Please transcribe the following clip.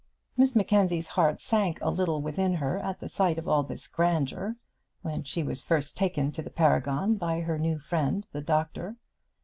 Miss Mackenzie's heart sank a little within her at the sight of all this grandeur, when she was first taken to the Paragon by her new friend the doctor.